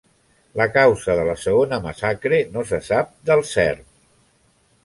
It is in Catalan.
La causa de la segona massacre no se sap del cert.